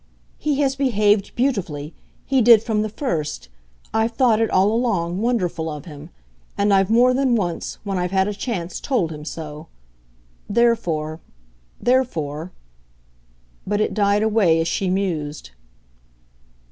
"He has behaved beautifully he did from the first. I've thought it, all along, wonderful of him; and I've more than once, when I've had a chance, told him so. Therefore, therefore !" But it died away as she mused.